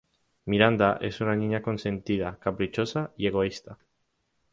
Miranda es una niña consentida, caprichosa y egoísta.